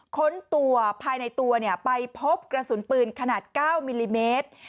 ค้นตัวภายในตัวไปพบกระสุนปืนขนาด๙มิลลิเมตร